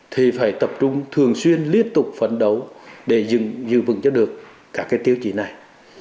thì phải tập trung thường xuyên liên tục phấn đấu để giữ vững cho được các cái tiêu chí này